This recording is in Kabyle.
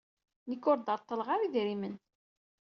Nekk ur d-reṭṭleɣ ara idrimen.